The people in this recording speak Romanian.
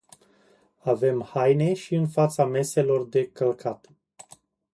Avem haine și în fața meselor de călcat.